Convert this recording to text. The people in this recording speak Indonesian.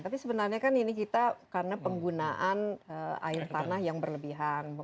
tapi sebenarnya kan ini kita karena penggunaan air tanah yang berlebihan